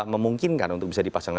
memungkinkan untuk bisa dipasangkan